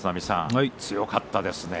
強かったですね。